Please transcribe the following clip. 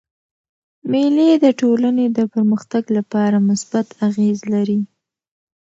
مېلې د ټولني د پرمختګ له پاره مثبت اغېز لري.